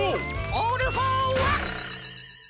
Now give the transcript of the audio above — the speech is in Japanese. オールフォーワン！